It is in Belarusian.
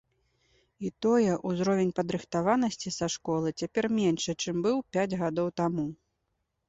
І тое, узровень падрыхтаванасці са школы цяпер меншы, чым быў пяць гадоў таму.